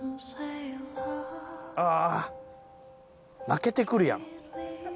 ああ泣けてくるやん。